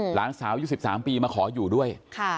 หลานสาวยุค๑๓ปีมาขออยู่ด้วย